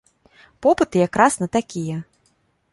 Попыт якраз на такія.